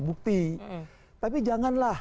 bukti tapi janganlah